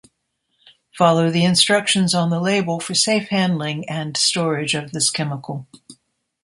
Follow the instructions on the label for safe handling and storage of this chemical.